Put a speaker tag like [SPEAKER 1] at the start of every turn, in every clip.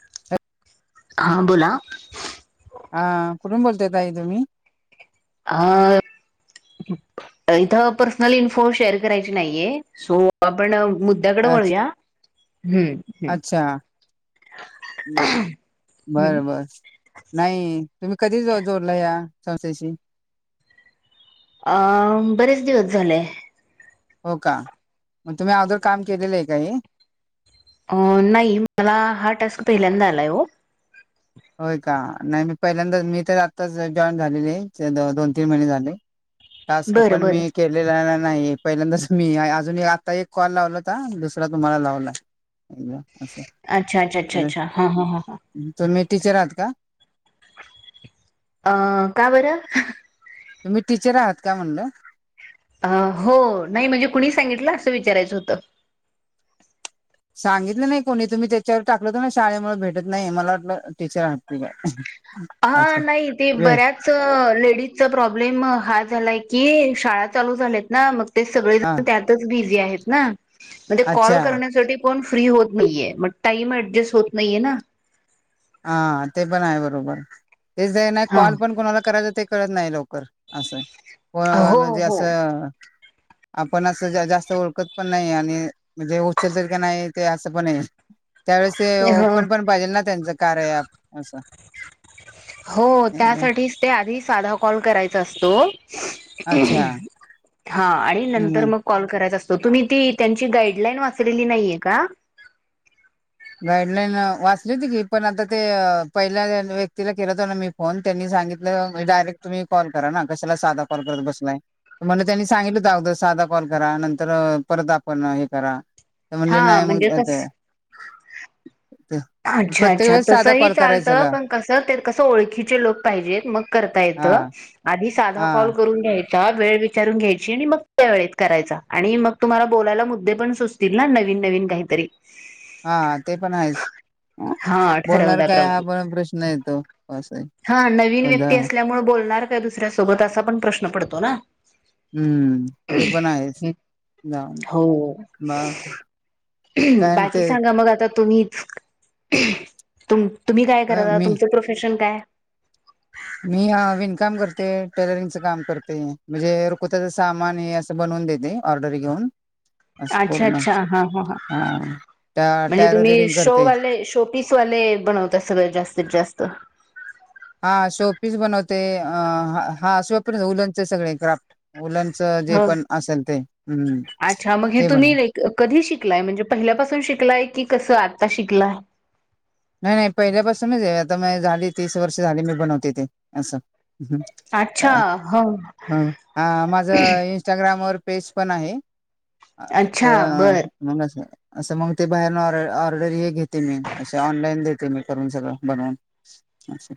[SPEAKER 1] [inaudible]
[SPEAKER 2] हां बोला
[SPEAKER 1] हा कुठून बोलत तई तुम्ही
[SPEAKER 2] हा इथं पर्सनल इन्फो शेअर करायची नाहीये सो आपण दगडवळू
[SPEAKER 1] अच्छ
[SPEAKER 2] या हम्म ह्
[SPEAKER 1] अच्छा ब
[SPEAKER 2] हम्म
[SPEAKER 1] बरं बर नाही तुम्ही कधी जोडला या संस्थेशी
[SPEAKER 2] बरेच दिवस झाले
[SPEAKER 1] हो का मग तुम्ही अगदोर काम केलेलं आहे का हे
[SPEAKER 2] अ नाही मला हा टास्क पहिल्यांदा आलाय हो
[SPEAKER 1] होय का नाही मी पहिल्यांदा मी तर आत्ताच जॉईन झालेले आहे दोन तीन महिने झाले टास्क
[SPEAKER 2] बरं
[SPEAKER 1] पण
[SPEAKER 2] बरं
[SPEAKER 1] मी केलेला नाही पहिल्यांदाच मी अजून आता एक कॉल लावला होता दुसरा तुम्हाला लावला असं
[SPEAKER 2] अच्छा अच्छा अच्छा अच्छा हा हा हा हा
[SPEAKER 1] तुम्ही टीचर आहात का
[SPEAKER 2] अ का बरं
[SPEAKER 1] तुम्ही टीचर आहात का म्हणलं.
[SPEAKER 2] अ हो नाही म्हणजे कुणी सांगितलं? असं विचारायचं होतं.
[SPEAKER 1] सांगितलं नाही कोणी तुम्ही त्याच्यावर टाकलं तर ना शाळेमुळे भेटत नाही, मला वाटलं टीचर आहात की काय? अच्छा
[SPEAKER 2] हा नाही ते
[SPEAKER 1] वेग
[SPEAKER 2] बऱ्याच लेडीजचा प्रॉब्लेम हा झालाय की शाळा चालू झाल्यात ना मग ते
[SPEAKER 1] हा
[SPEAKER 2] सगळेजण त्यातच बिझी आहेत ना म्हणजे
[SPEAKER 1] अच्छा
[SPEAKER 2] कॉल करण्यासाठी कोण फ्री होत नाहीये, मग टाइम ऍडजस्ट होत नाहीये ना.
[SPEAKER 1] हा ते पण आहे बरोबर तेच आहे ना,
[SPEAKER 2] हा
[SPEAKER 1] कॉल पण कोणाला करायच कळत नाही लवकर असं
[SPEAKER 2] हो
[SPEAKER 1] म्हणजे
[SPEAKER 2] हो
[SPEAKER 1] असं आपण असं जास्त ओळखत पण नाही आणि म्हणजे उचल तील की नाही ते असं पण आहे. त्यावेळेस ते
[SPEAKER 2] ह
[SPEAKER 1] ओपन पण पाहिजेल ना त्यांचं कार्य ॲप असं.
[SPEAKER 2] हो
[SPEAKER 1] एकदम.
[SPEAKER 2] त्यासाठीच ते आधी साधा कॉल करायचा असतो.
[SPEAKER 1] अच्छा
[SPEAKER 2] हा आणि
[SPEAKER 1] हम्म
[SPEAKER 2] नंतर
[SPEAKER 1] हम्म.
[SPEAKER 2] मग कॉल करायच असतो, तुम्ही ती त्यांची गाईडलाईन वाचलेली नाहीये का?
[SPEAKER 1] गाईडलाईन वाचली होती की पण, आता ते पहिल्या व्यक्तीला केलंत हो ना मी फोन त्यांनी सांगितलं म्हणजे डायरेक्ट तुम्ही कॉल करा ना कशाला साधा कॉल करत बसलाय. म्हण त्यांनी सांगितलं होत अगददा साधा कॉल करा, नंतर परत आपण हे करा ते म्हणले
[SPEAKER 2] हा
[SPEAKER 1] नाही मंग
[SPEAKER 2] म्हणजे
[SPEAKER 1] [unintelligible]
[SPEAKER 2] कस
[SPEAKER 1] ते
[SPEAKER 2] अच्छा
[SPEAKER 1] प्रत्येक
[SPEAKER 2] अच्छा
[SPEAKER 1] वेळेस साधा
[SPEAKER 2] तसंही
[SPEAKER 1] कॉल करायचा
[SPEAKER 2] चालतं
[SPEAKER 1] का
[SPEAKER 2] पण, कस ते कसं ओळखीचे लोक पाहिजेत मग करता येत.
[SPEAKER 1] हा
[SPEAKER 2] आधी साधा
[SPEAKER 1] हा
[SPEAKER 2] कॉल करून घेय चार वेळ विचारून घ्यायची आणि मग त्या वेळेत करायचा आणि मग तुम्हाला बोलायला मुद्दे पण सुच तील ना नवीन नवीन काहीतरी.
[SPEAKER 1] हा ते पण आहेच
[SPEAKER 2] हा
[SPEAKER 1] बोलणार काय हा
[SPEAKER 2] ठरवल्याप्रमाणे
[SPEAKER 1] पण प्रश्न येतो, अस.
[SPEAKER 2] हा नवीन व्यक्ती असल्यामुळे बोलणार काय दुसऱ्यासोबत असा पण प्रश्न पडतो ना.
[SPEAKER 1] हम्म ते पण आहेच
[SPEAKER 2] हं,
[SPEAKER 1] जाऊन
[SPEAKER 2] हो
[SPEAKER 1] बा काय
[SPEAKER 2] बाकी
[SPEAKER 1] ते
[SPEAKER 2] सांगा मग आत तर तुम्ही तुम्ही काय
[SPEAKER 1] अ,
[SPEAKER 2] कराता
[SPEAKER 1] मी
[SPEAKER 2] तुमचं प्रोफेशन काय?
[SPEAKER 1] मी विणकाम करते, टेलरिंगच काम करते, म्हणजे रकोताच सामान हे अस बनवून देते ऑर्डर घेऊन. असं
[SPEAKER 2] अच्छा
[SPEAKER 1] पूर्ण
[SPEAKER 2] अच्छा हा हा ह
[SPEAKER 1] त्या
[SPEAKER 2] म्हणजे
[SPEAKER 1] टॅरो
[SPEAKER 2] तुम्ही
[SPEAKER 1] रिडिंग करते
[SPEAKER 2] शोवाले शो पिसवाले बनवतात सगळं जास्तीत जास्त.
[SPEAKER 1] हा शो पीस बनवते हा असे वापर ऊलनचे सगळे क्राफ्ट उल्लंच जे
[SPEAKER 2] ह
[SPEAKER 1] पण असेल ते हम्
[SPEAKER 2] अच्छा मग हे
[SPEAKER 1] ते म्हण.
[SPEAKER 2] तुम्ही लाईक कधी शिकलाय म्हणजे पहिल्यापासून शिकलाय की कसं आता शिकलाय.
[SPEAKER 1] नाही नाही पहिल्यापासूनच आहे आता म झाली तीस वर्ष झाली मी बनवते ते. अस
[SPEAKER 2] अच्छा ह
[SPEAKER 1] हा माझ इंस्टाग्रामवरर पेज पण आहे. ते
[SPEAKER 2] अच्छा बर
[SPEAKER 1] मग अस असं मग ते बाहेर ऑ ऑर्डरी हे घेते मी अशा ते ऑनलाईन देते मी करून सगळं बनवून. असं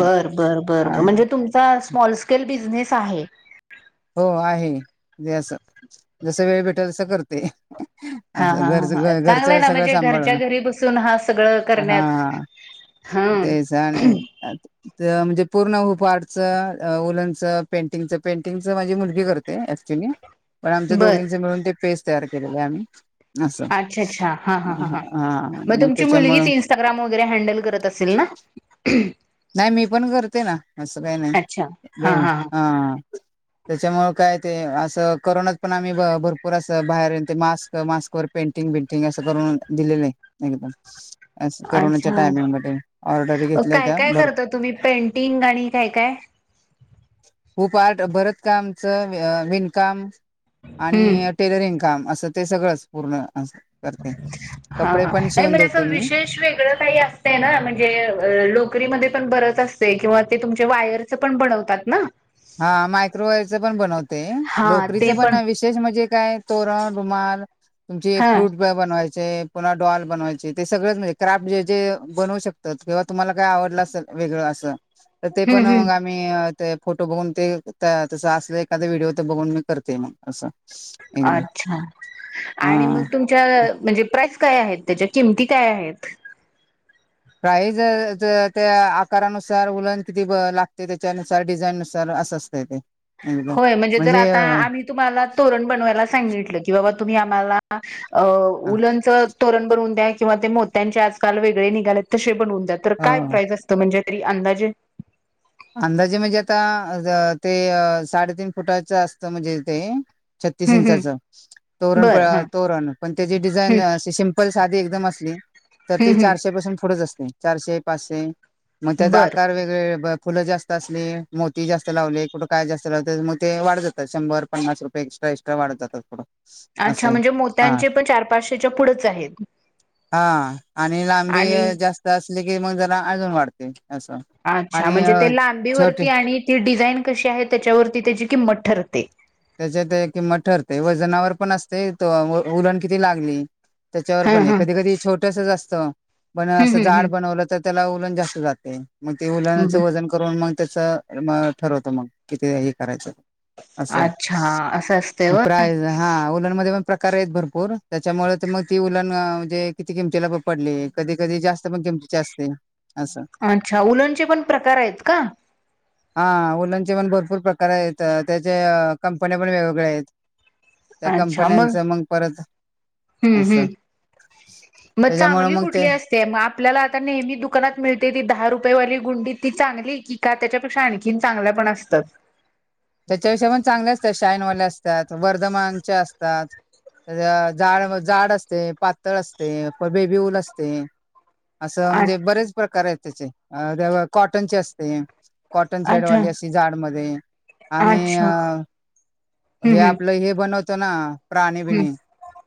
[SPEAKER 2] बर बर बर म्हणजे, तुमचा स्मॉल स्केल बिझनेस आहे.
[SPEAKER 1] हो आहे जे असं जस वेळ भेटेल तसं करते.
[SPEAKER 2] हा
[SPEAKER 1] असं
[SPEAKER 2] हा
[SPEAKER 1] घरच
[SPEAKER 2] हा चांगलंय
[SPEAKER 1] घरचं
[SPEAKER 2] ना
[SPEAKER 1] सगळं
[SPEAKER 2] म्हणजे
[SPEAKER 1] सांभाळून
[SPEAKER 2] घरच्या घरी बसून हा सगळं करण्यात
[SPEAKER 1] हा.
[SPEAKER 2] हं
[SPEAKER 1] ते जाण अ तर म्हणजे पूर्ण हुफटचं उलचं पेंटिंगचं पेंट पेंटिंग माझी मुलगी करते ऍक्च्युली पण आमच्या
[SPEAKER 2] बर
[SPEAKER 1] दोघींचे मिळून ते पेस्ट तयार केलेले आम्ही. अस
[SPEAKER 2] अच्छा अच्छा हा
[SPEAKER 1] हा मग त्याच्यामुळं
[SPEAKER 2] स्ाग्राम वगैरे हँडल करत असेल ना?
[SPEAKER 1] नाही मी पण करते ना असं काही नाही
[SPEAKER 2] अच्छा हा
[SPEAKER 1] दोन हा त्याच्यामुळे काय ते असं कोरोनात पण आम्ही भरपूर असं बाहेर ये ते मास्क मास्क वर पेंटिंग बेंटिंग असं करून दिलेलं आहे एकदम करोनाच्या
[SPEAKER 2] अच्छा
[SPEAKER 1] टायमिंगमध्ये ऑर्डरी घेतल्यात
[SPEAKER 2] काय काय करता तुम्ही पेंटिंग आणि काय काय?
[SPEAKER 1] खूप आर्ट भरत कामचं विणकाम
[SPEAKER 2] हम्म
[SPEAKER 1] आणि टेलरिंग काम असं ते सगळंच पूर्ण अस.
[SPEAKER 2] हा हा नाही म्ह
[SPEAKER 1] मी
[SPEAKER 2] विशेष व काही अस ना म्हणजे लोकरी म पण बरच असते किंवा ते तुमचे वायर पण बनवतात ना?
[SPEAKER 1] हा मायक्रोवेव्हच पण बनवते
[SPEAKER 2] हा
[SPEAKER 1] नोकरीच
[SPEAKER 2] ते
[SPEAKER 1] पण विेच म्हणजे काय तोरण, रुमाल तुमचे
[SPEAKER 2] हा
[SPEAKER 1] फ्रूट बनवायचे पुन्हा डॉल बनवायचे ते सगळेच म्हणजे क्राफ्ट जे जे बनवू शकते. किंवा तुम्हाला काय आवडलं असल वेगळं असं तर ते
[SPEAKER 2] हम्म
[SPEAKER 1] पण
[SPEAKER 2] हम्म
[SPEAKER 1] मग आम्ही ते फोटो बघून ते त्याचं असलं एखाद व्हिडिओ तर बघून मी करते म असं एकदाम
[SPEAKER 2] अच्छा आणि
[SPEAKER 1] हा
[SPEAKER 2] मग म्हणजे प्राइस काय आहेत त्याच्या किमती काय आहेत.
[SPEAKER 1] प्राईज त्या आकारानुसार उलन किती लागते त्याच्यानुसार डिझाईन नुसार असं असत. ते ते आहे.
[SPEAKER 2] होय म्हणजे जर आता आम्ही तुम्हाला तोरण बनवायला सांगितलं की बाबा तुम्ही आम्हाला
[SPEAKER 1] हा,
[SPEAKER 2] उलच तरण बरवून द्या [unintelligible] किंवा ते मोत्यांचे आजकाल वेगळे निघालेत तसे बनवून द्या तर काय
[SPEAKER 1] हो
[SPEAKER 2] प्राईज असतं म्हणजे तरी अंदाजे
[SPEAKER 1] अंदाजे म्हणजे आता ते साडेतीन फुटाचं असतं म्हणजे ते छत्तीस
[SPEAKER 2] हम्म हम्म
[SPEAKER 1] इंचाच तोरण प
[SPEAKER 2] बर हा
[SPEAKER 1] तोरण पण त्याची डिझाईन
[SPEAKER 2] हम्म
[SPEAKER 1] सिम चप्पल साधी एकदम असली तर ती
[SPEAKER 2] हम्म हम्म
[SPEAKER 1] चारशे पासून पुढेच असते चारशे, पाचशे मग त्याचा
[SPEAKER 2] बर
[SPEAKER 1] आकार वेगळे फुलं जास्त असले मोती जास्त लावले कुठं काय जास्त लावले मोती वाढत जातात शंभर. पननास रपय एक्ट्रास्टा वाढ जातथोड
[SPEAKER 2] अच्छा म्हणजे मोत्यांचे पण चार पाचशेच्या पुढंच आहेत.
[SPEAKER 1] हा आणि लांबी
[SPEAKER 2] आणि
[SPEAKER 1] जास्त असले की मग जरा अजून वाढते असं.
[SPEAKER 2] अच्छा
[SPEAKER 1] आणि
[SPEAKER 2] म्हणजे ते
[SPEAKER 1] अ, छोटे
[SPEAKER 2] लांबीवरती आणि ती डिझाईन कशी आहे त्याच्यावरती त्याची किमत ठरते
[SPEAKER 1] त्याच्यात किंमत ठरते व वजनावर पण असते त उलण किती लागली त्याच्यावर
[SPEAKER 2] हा
[SPEAKER 1] पण आहे
[SPEAKER 2] हा
[SPEAKER 1] कधी कधी छोटस असतं पण असं
[SPEAKER 2] हम्म हम्म
[SPEAKER 1] जाड बनवलं तर त्यालाल जास्त जाते मग ते उलाचं
[SPEAKER 2] हम्म
[SPEAKER 1] वन करून मग त्याच म ठरवतो मग किती हे करायचं असं आहे.
[SPEAKER 2] अच्छा असं असतंय होय.
[SPEAKER 1] प्राईज हा उलमध्ये पण प्रकार आहेत भरपूर त्याच्यामुळे मग ती उलण म्हणजे किंमती ला पडले कधी कधी जास्त मग किमती असते असं.
[SPEAKER 2] अच्छा उलडचे पण प्रकार आहेत का?
[SPEAKER 1] हा ओलंंचे पण भरपूर प्रकार आहेत त्याचे कंपन्या पण वेगवेगळ्या आहेत, त्या कंपन्यांच मग परत
[SPEAKER 2] हम्म
[SPEAKER 1] असं
[SPEAKER 2] हम् मग
[SPEAKER 1] त्याच्यामुळे
[SPEAKER 2] चांगली
[SPEAKER 1] मग
[SPEAKER 2] कुठली असते. ते मग आपल्याला आता नेहमी दुकानात मिळते ती दहा रुपयेवाली गुंडी ती चांगली की का त्याच्यापेक्षा आणखी चांगल्या पण असतात?
[SPEAKER 1] त्याच्याविषयी पण चांगले असतात शाईनवाले असतात वर्धमानच्या असतात. झाड जाड असते पातळ असते प बेबीऊल असते. असं
[SPEAKER 2] आ
[SPEAKER 1] म्हणजे बरेच प्रकार आहेत त्याचे कॉटनचे असते. कॉटन
[SPEAKER 2] अच्छा
[SPEAKER 1] थ्रेडवाली अशी जाड मध्ये आणि
[SPEAKER 2] अच्छा
[SPEAKER 1] हे
[SPEAKER 2] हम्म हम्म
[SPEAKER 1] आपलं हे बनवत ना? प्राणी
[SPEAKER 2] हम्म
[SPEAKER 1] बिणी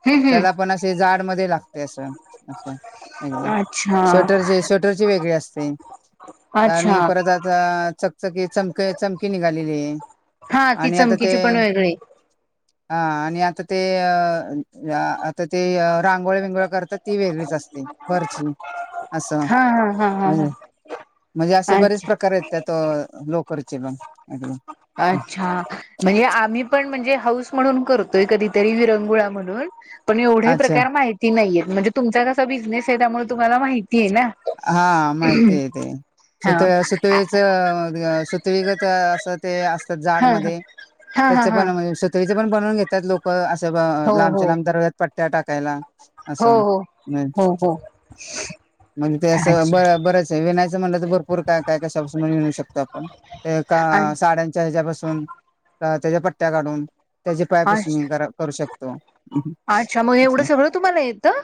[SPEAKER 2] हम्म हम्म
[SPEAKER 1] त्याला पण असे जाड मध्ये लागते असं अस एकदम
[SPEAKER 2] अच्छा
[SPEAKER 1] स्वेटरची स्वेटरची वेगळे असते. आणि
[SPEAKER 2] अच्छा
[SPEAKER 1] परत आता चकचकी चमक, चमकी निघालेली आहे.
[SPEAKER 2] हा ती
[SPEAKER 1] आणि आता
[SPEAKER 2] चमकीची पण
[SPEAKER 1] ते
[SPEAKER 2] वेगळी.
[SPEAKER 1] हा आणि आता ते या आता ते रांगोळ विंगोळ करतात ती वेगळीच असते खरची अस.
[SPEAKER 2] ह हा हा ह.
[SPEAKER 1] म्हणजे असे बरेच प्रकार आहेत त्यात लोकरचे पण अदी
[SPEAKER 2] अच्छा. म्हणजे आम्ही पण म्हणजे हाऊस म्हणून करतोय कधीतरी विरंगुळा म्हणून पण एवढे
[SPEAKER 1] अच्छा
[SPEAKER 2] प्रकार माहिती नाहीय म्हणजे तुमचा कसा बिझनेस आहे त्यामुळे तुम्हाला माहिती आहे ना.
[SPEAKER 1] हा माहिती आहेेत
[SPEAKER 2] हा
[SPEAKER 1] सुत सुतळीच सुतळी गत अस ते असतात ते
[SPEAKER 2] हा
[SPEAKER 1] जाडमध्ये
[SPEAKER 2] हा हा हा
[SPEAKER 1] त्याचेपण सुतळी चे पण बनवून घेतात लोक ते असं
[SPEAKER 2] हो हो
[SPEAKER 1] लांबच्या लांब दरव्यात पट्ट्या टाकायला.
[SPEAKER 2] हो
[SPEAKER 1] असं
[SPEAKER 2] हो हो हो.
[SPEAKER 1] मग ते असं
[SPEAKER 2] अच्छा
[SPEAKER 1] बर बरंच आहे विनायचं म्हणलं तर भरपूर काय काय कशापासून विणू शकतो आपण. ते साड्यांच्या ह्याच्यापासून, त्याच्या पट्ट्या काढून. त्याचे पायपुसनी मी
[SPEAKER 2] अच्छा
[SPEAKER 1] घरात करू शकतो.
[SPEAKER 2] अच्छा मग एवढं
[SPEAKER 1] [unintelligible]
[SPEAKER 2] सगळं तुम्हाला येतं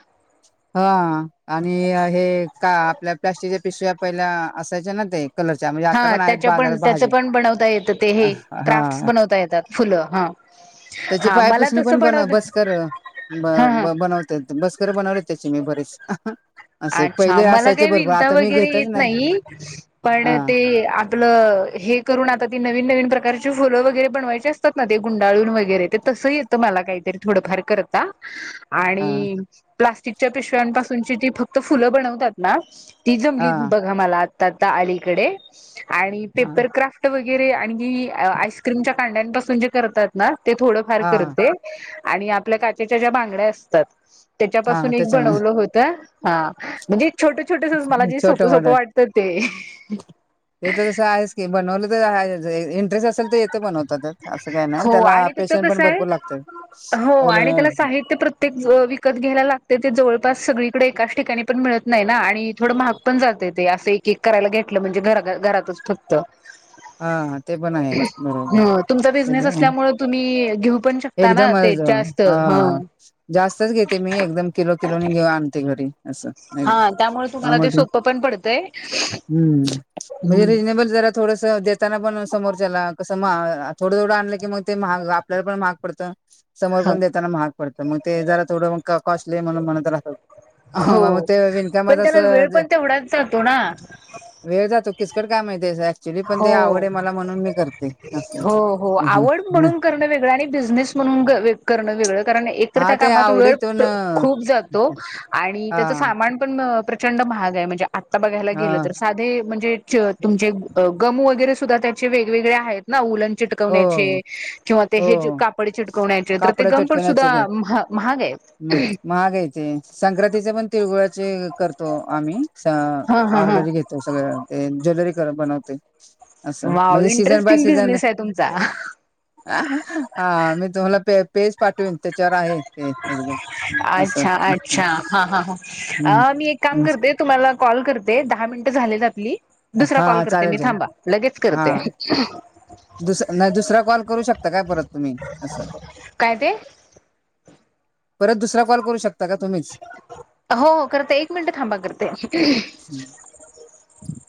[SPEAKER 1] हा आणि हे का आपल्या प्लास्टिकच्या पिशव्या पहिल्या असायच्या ना ते. कलरच्या म्हणजे आता
[SPEAKER 2] हा
[SPEAKER 1] पण आहेत
[SPEAKER 2] त्याच्या पण
[SPEAKER 1] बाजारात
[SPEAKER 2] त्याचं
[SPEAKER 1] भाजी
[SPEAKER 2] पण बनवता येतं ते हे क्राफ्ट्स
[SPEAKER 1] हा.
[SPEAKER 2] बनवता येतात फुलं हा
[SPEAKER 1] त्याची
[SPEAKER 2] हा मला
[SPEAKER 1] पायपसणी पण
[SPEAKER 2] तसं
[SPEAKER 1] बनव
[SPEAKER 2] बनवत
[SPEAKER 1] बसकर
[SPEAKER 2] हा हा
[SPEAKER 1] बनव बस्करं बनवली त्याची मी बरेच.
[SPEAKER 2] अच्छा मला काही विंता वगैरे येत नाही पण
[SPEAKER 1] हा
[SPEAKER 2] ते आपलं हे करून आता ती नवीन नवीन प्रकारची फुलं वगैरे बनवायची असतात ना ते गुंडाळून वगैरे ते तसं येत- तुमला काही तरी थोडंफार करता.
[SPEAKER 1] [inaudible]
[SPEAKER 2] आणि प्लास्टिकच्या पिशव्यांपासूनची ती फक्त फुलं बनवतात ना? ती जमली
[SPEAKER 1] हा
[SPEAKER 2] बघा मला आता आता अलीकडे आणि
[SPEAKER 1] हा
[SPEAKER 2] पेपरक्राफ्ट वगैरे आणि आईस्क्रीमच्या कांड्यांपासून जे करतात ना ते थोडंफार
[SPEAKER 1] हा
[SPEAKER 2] करते. आणि आपल्या काचेच्या ज्या बांगड्या असतात
[SPEAKER 1] हा
[SPEAKER 2] त्याच्यापासून एक
[SPEAKER 1] त्याच्यामुळे
[SPEAKER 2] बनवलं होतं. हा म्हणजे छोट छोटस मला जे
[SPEAKER 1] छोटं
[SPEAKER 2] सोपं सोप
[SPEAKER 1] मोठं
[SPEAKER 2] वाटतं ते.
[SPEAKER 1] ते तर कसं आहेच बनवलं तर इंटरेस्ट असेल तर पण होत असं काही नाही
[SPEAKER 2] हो
[SPEAKER 1] त्याला
[SPEAKER 2] आणि त्याच
[SPEAKER 1] पेशंट पण
[SPEAKER 2] कसं आहे
[SPEAKER 1] भरपूर लागत.
[SPEAKER 2] ते विकत घ्यायला लागते ते जवळपास सगळीकडे एकाच ठिकाणी पण मिळत नाही ना आणि थोडं महाग पण जाते ते असं एक एक करायला घेतटलं म्हणजे घ घरातच फक्त.
[SPEAKER 1] हा. ते पण आहे बरोबर,
[SPEAKER 2] ह तुमचा बिझनेस असल्यामुळे तुम्ही घेऊ पण शकता ना
[SPEAKER 1] एकदम
[SPEAKER 2] ते जास्त ह
[SPEAKER 1] हा. जास्तच घेते मी एकदम किलो किलोनी घेऊ आणते घरी असं.
[SPEAKER 2] हा त्यामुळे
[SPEAKER 1] हा,
[SPEAKER 2] तुम्हाला ते
[SPEAKER 1] मग
[SPEAKER 2] सोपं पण पडतय.
[SPEAKER 1] हम्म म्हणजे
[SPEAKER 2] हम.
[SPEAKER 1] रिजनेबल जरा थोडंस. देताना पण समोरच्याला कसं मग थोडं थोडं आणलं की मग ते महाग आपल्याला पण महाग पडत. समोरपण देताना महाग पडतं मग ते जरा थोडं कॉस्टली म्हणून म्हणत राहत. ह म मग
[SPEAKER 2] हो
[SPEAKER 1] ते वीणकाम
[SPEAKER 2] पण
[SPEAKER 1] तस.
[SPEAKER 2] त्याला वेळ पण तेवढाच जातो ना
[SPEAKER 1] वेळ जातो किचकट काम हाय ते पण ते आवड
[SPEAKER 2] हो
[SPEAKER 1] आहे मला म्हणून मी करते असं
[SPEAKER 2] हो
[SPEAKER 1] आहे.
[SPEAKER 2] आवड म्हणून करण वेगळं बिनेस म्हणून वे करणं वेगळं. ण एक
[SPEAKER 1] हा
[SPEAKER 2] त्या
[SPEAKER 1] ते
[SPEAKER 2] काम वेळ
[SPEAKER 1] आवडीतून अ,
[SPEAKER 2] खूप जातो आणि त्याच
[SPEAKER 1] हा
[SPEAKER 2] सामान पण प्रचंड महाग आहे म्हणजे आत्ता बघायला गेल
[SPEAKER 1] हा
[SPEAKER 2] तर साधे म्हणजे तुमचे गम वगैरे सुद्धा त्याचे वेगवेगळे आहेत. ना लण चिटकवण्याचे
[SPEAKER 1] हो
[SPEAKER 2] किंवा ते
[SPEAKER 1] हो
[SPEAKER 2] हे कापडे चिटकवण्याचे तर ते
[SPEAKER 1] कापड
[SPEAKER 2] गमपड
[SPEAKER 1] चटकण्याचे
[SPEAKER 2] सुद्धा महाग आहे.
[SPEAKER 1] म. महागायचे, संक्रांतीचे पण तिळगुळाचे करतो आम्ही
[SPEAKER 2] हा हा हा.
[SPEAKER 1] ऑर्डरी घेतो. ते सगळे ते ज्वेलरी बनवते. असं
[SPEAKER 2] वाव,
[SPEAKER 1] म्हणजे season by
[SPEAKER 2] interesting
[SPEAKER 1] season
[SPEAKER 2] business आहे तुमचा.
[SPEAKER 1] हा मी तुम्हाला पे पेज पाठवीन, त्याच्यावर आहे. ते एकदम असं
[SPEAKER 2] अच्छा! अच्छा! हा हा हा
[SPEAKER 1] हम्म
[SPEAKER 2] अ मी एक काम करते. तुम्हाला कॉल करते दहा मिनटं झालेत आपली, दुसरा
[SPEAKER 1] हा
[SPEAKER 2] कॉल करते
[SPEAKER 1] चालेल
[SPEAKER 2] मी
[SPEAKER 1] चालेल
[SPEAKER 2] थांबा लगेच
[SPEAKER 1] हा
[SPEAKER 2] करते.
[SPEAKER 1] दुस नाही, दुसरा कॉल करू शकता काय परत तुम्ही असं
[SPEAKER 2] काय ते
[SPEAKER 1] परत दुसरा कॉल करू शकता. त्या का तुम्च [unintelligible]
[SPEAKER 2] हो हो करते, एक मिनिट थांबा करते.
[SPEAKER 1] हम्म. ह [inaudible]